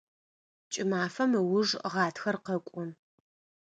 Кӏымафэм ыуж гъатхэр къэкӏо.